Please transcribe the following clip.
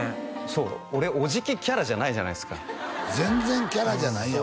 そう俺オジキキャラじゃないじゃないですか全然キャラじゃないよ